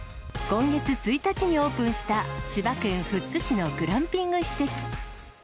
今月１日にオープンした、千葉県富津市のグランピング施設。